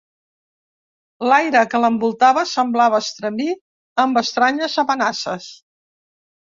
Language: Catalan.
L'aire que l'envoltava semblava estremir amb estranyes amenaces.